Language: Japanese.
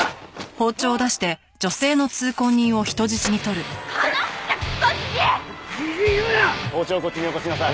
包丁をこっちによこしなさい。